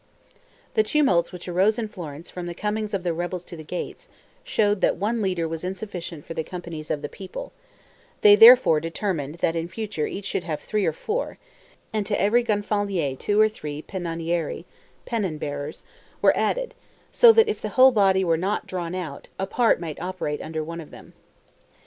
The tumults which arose in Florence from the coming of the rebels to the gates, showed that one leader was insufficient for the companies of the people; they, therefore, determined that in future each should have three or four; and to every Gonfalonier two or three Pennonieri (pennon bearers) were added, so that if the whole body were not drawn out, a part might operate under one of them.